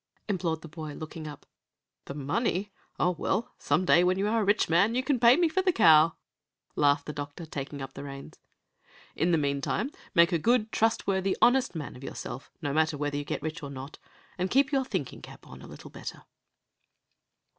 implored the boy, looking up. "The money? O, well, some day when you are a rich man, you can pay me for the cow!" laughed the doctor, taking up the reins. "In the meantime, make a good, trustworthy, honest man of yourself, no matter whether you get rich or not, and keep your 'thinking cap' on a little better."